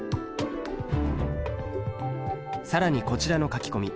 更にこちらの書き込み。